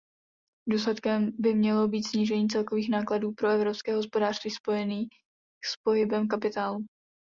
Důsledkem by mělo být snížení celkových nákladů pro evropské hospodářství spojených s pohybem kapitálu.